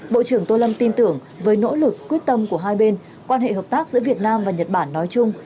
bộ trưởng tô lâm tin tưởng với nỗ lực quyết tâm của hai bên quan hệ hợp tác giữa việt nam và nhật bản nói chung